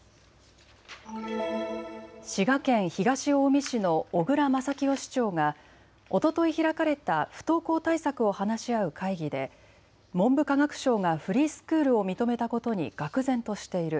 滋賀県東近江市の小椋正清市長がおととい開かれた不登校対策を話し合う会議で文部科学省がフリースクールを認めたことにがく然としている。